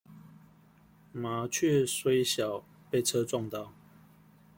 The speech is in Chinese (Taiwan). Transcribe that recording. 麻雀雖小，被車撞到